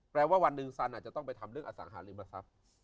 ว่าวันหนึ่งซันอาจจะต้องไปทำเรื่องอสังหาริมทรัพย์